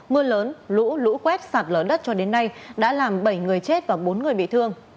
mưa lớn lũ lũ quét sạt lở đất cho đến nay đã làm bảy người chết và bốn người bị thương